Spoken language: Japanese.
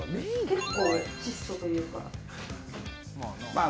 結構質素というかまあ